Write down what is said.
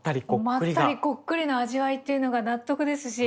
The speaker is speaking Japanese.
まったりこっくりな味わいというのが納得ですし。